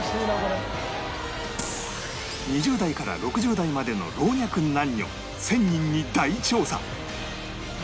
２０代から６０代までの老若男女１０００人に大調査